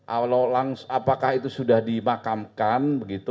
awal apakah itu sudah dimakamkan begitu